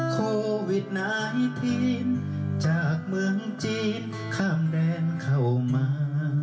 โควิด๑๙จากเมืองจีนข้ามแดนเข้ามา